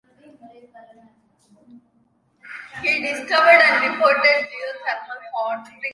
He also said he would scrap the Resource Management Act.